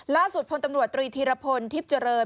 ล่าสุดพลตำรวจตรีธีรพลทิพเจริญ